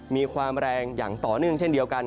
มีความแรงอย่างต่อเนื่องเช่นเดียวกัน